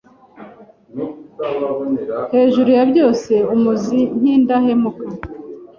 Hejuru ya byose amuzi nk’indahemuka